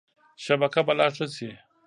شبکه به لا ښه شي.